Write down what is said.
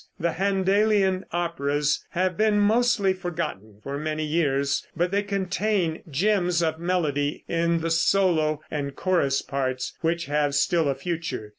The Händelian operas have been mostly forgotten for many years, but they contain gems of melody in the solo and chorus parts which have still a future.